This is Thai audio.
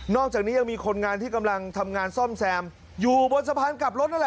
อกจากนี้ยังมีคนงานที่กำลังทำงานซ่อมแซมอยู่บนสะพานกลับรถนั่นแหละ